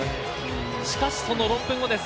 しかし、その６分後です。